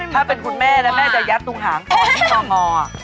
ถ้าเป็นคุณแม่แล้วแม่จะยัดตรงหางของที่งองอ